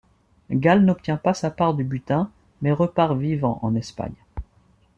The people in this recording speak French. Gal n'obtient pas sa part du butin, mais repart vivant en Espagne.